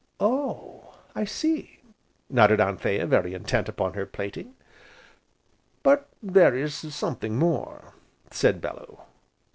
"Oh, I see!" nodded Anthea, very intent upon her plaiting. "But there is something more," said Bellew.